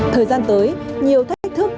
thời gian tới nhiều thách thức